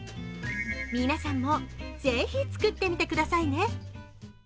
皆さんもぜひ作ってみてくださいね。